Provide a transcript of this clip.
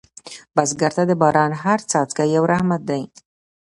بزګر ته د باران هره څاڅکې یو رحمت دی